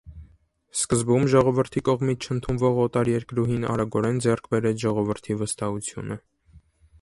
Սկզբում ժողովրդի կողմից չընդունվող օտարերկրուհին արագորեն ձեռք բերեց ժողովրդի վստահությունը։